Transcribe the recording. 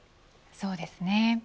そうですね。